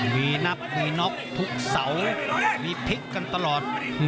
มีนับมีน็อกทุกเสามีพลิกกันตลอด